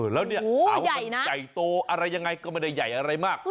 แล้วเนี่ยถามว่ามันใหญ่โตอะไรยังไงก็ไม่ได้ใหญ่อะไรมาก